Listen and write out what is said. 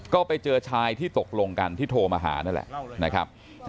ก็ไปเจอชายที่ตกลงกันที่โทรมาหานั่นแหละนะครับ